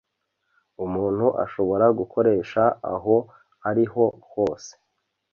umuntu ashobora gukoresha aho ari ho hose